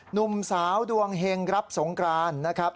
หนุ่มสาวดวงเฮงรับสงกรานนะครับ